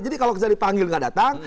jadi kalau kita dipanggil nggak datang